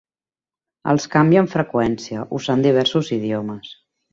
Els canvia amb freqüència, usant diversos idiomes.